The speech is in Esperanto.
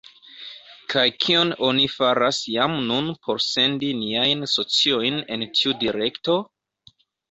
Kaj kion oni faras jam nun por sendi niajn sociojn en tiu direkto?